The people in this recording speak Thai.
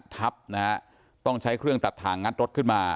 ทับนะฮะต้องใช้เครื่องตัดถ่างงัดรถขึ้นมา